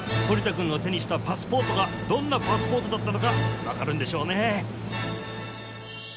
反田君の手にしたパスポートがどんなパスポートだったのかわかるんでしょうねえ